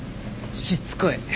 しつこい。